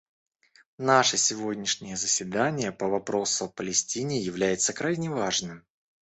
Наше сегодняшнее заседание по вопросу о Палестине является крайне важным.